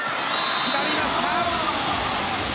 決まりました！